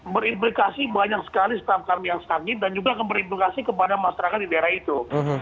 berimplikasi banyak sekali staff kami yang sakit dan juga akan berimplikasi kepada masyarakat di daerah itu